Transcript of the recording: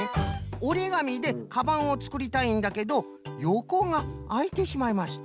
おりがみでかばんをつくりたいんだけどよこがあいてしまいますと。